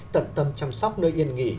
tận tâm chăm sóc nơi yên nghỉ